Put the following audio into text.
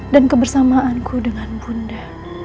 dan kebersamaanku dengan bunda